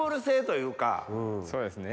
そうですね。